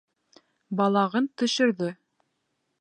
Балағын төшөрҙө.